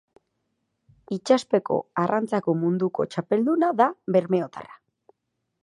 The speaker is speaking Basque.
Itsaspeko arrantzako munduko txapelduna da bermeotarra.